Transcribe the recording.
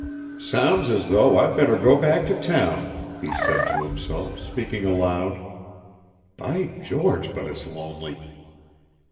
"Sounds as though I'd better go back to town," he said to himself, speaking aloud. "By George, but it's lonely!"